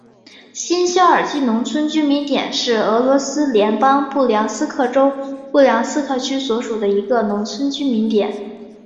新肖尔基农村居民点是俄罗斯联邦布良斯克州布良斯克区所属的一个农村居民点。